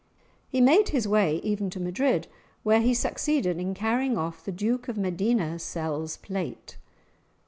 He made his way even to Madrid, where he succeeded in carrying off the Duke of Medina Cell's plate.